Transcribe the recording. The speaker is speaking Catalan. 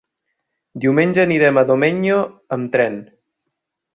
Diumenge anirem a Domenyo amb tren.